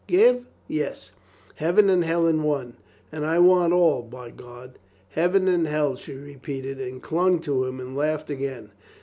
"Give? Yes. Heaven and hell in one. And I want all, by God!" "Heaven and hell," she repeated and clung to him and laughed again.